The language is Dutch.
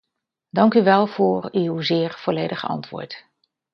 Dank u wel voor uw zeer volledige antwoord.